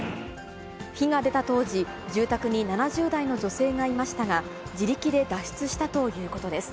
火が出た当時、住宅に７０代の女性がいましたが、自力で脱出したということです。